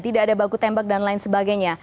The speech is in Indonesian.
tidak ada baku tembak dan lain sebagainya